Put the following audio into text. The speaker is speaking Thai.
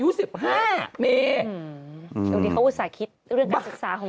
อยู่ดีเขาอุตส่าห์คิดเรื่องการศึกษาของชีวิตตัวเอง